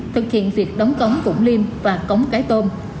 thực hiện việc đóng cống vũng liêm và cống cái tôm